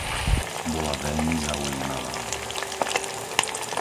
Bola veľmi zaujímavá.